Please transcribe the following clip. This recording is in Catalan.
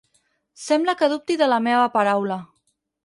Sembla que dubti de la meva paraula.